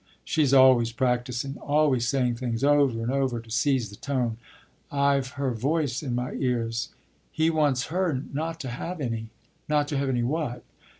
"She's always practising always saying things over and over to seize the tone. I've her voice in my ears. He wants her not to have any." "Not to have any what?"